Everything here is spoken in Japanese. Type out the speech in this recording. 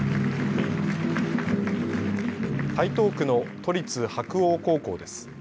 台東区の都立白鴎高校です。